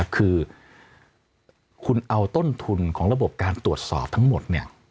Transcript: คือคุณเอาต้นทุนของระบบการตรวจสอบทั้งหมด